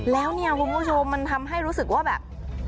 แล้วเนี่ยคุณผู้ชมมันทำให้รู้สึกว่าแบบ